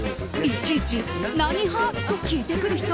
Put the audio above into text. いちいち何派？と聞いてくる人